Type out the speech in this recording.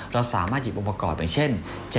เราสามารถหยิบองค์ประกอบอย่างเช่น